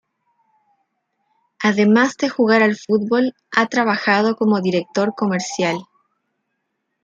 Además de jugar al fútbol, ha trabajado como director comercial.